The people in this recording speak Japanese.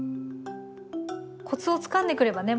コツをつかんでくればね